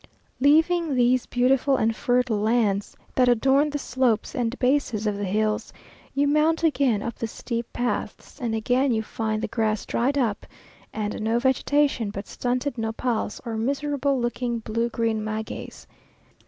Leaving these beautiful and fertile lands that adorn the slopes and bases of the hills, you mount again up the steep paths, and again you find the grass dried up, and no vegetation but stunted nopals or miserable looking blue green magueys.